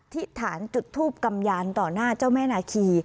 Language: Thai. ที่ฐานจุดทูปกำยานต่อหน้าเจ้าแม่นาคี